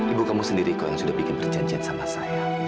ibu kamu sendiri kok yang sudah bikin perjanjian sama saya